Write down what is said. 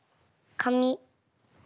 かみ！？